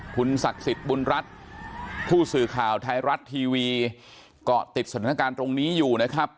คุณสักสิทธิบุญรัสผู้สื่อข่าวไทยรัตย์ทีวีก็ติดตอนทางการตรงนี้อยู่นะครับ